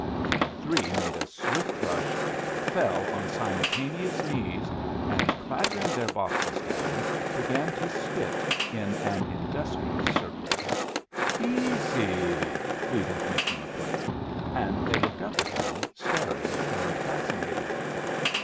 The three made a swift rush, fell on simultaneous knees, and clattering their boxes down, began to spit in an industrious circle. "Easy!" wheedled Mr. McLean, and they looked up at him, staring and fascinated.